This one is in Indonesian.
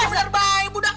ini bener baik budak